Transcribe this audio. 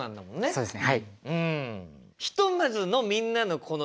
そうですね。